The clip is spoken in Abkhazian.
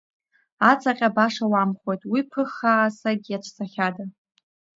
Ацаҟьа баша уамхоит, уи ԥыххаасагь иацәцахьада!